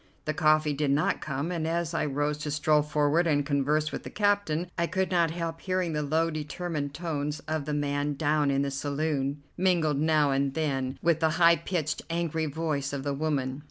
The coffee did not come, and as I rose to stroll forward and converse with the captain I could not help hearing the low determined tones of the man down in the saloon, mingled now and then with the high pitched, angry voice of the woman.